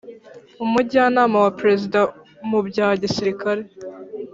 umujyanama wa perezida mubya gisirikare